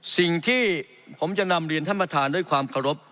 สิ่งที่ผมจะนำเรียนท่านประธานด้วยความเคารพ